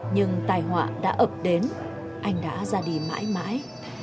nhưng tài họa đã ập đến anh đã ra đi mãi mãi